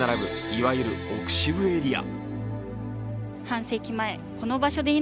いわゆる奥渋エリア。